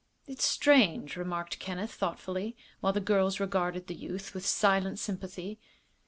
"It's strange," remarked Kenneth, thoughtfully, while the girls regarded the youth with silent sympathy.